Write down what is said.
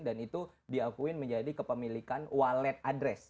dan itu diakui menjadi kepemilikan wallet address